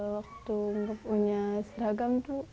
waktu punya seragam tuh